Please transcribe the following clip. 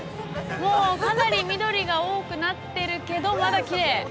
かなり緑が多くなってるけどまだきれい。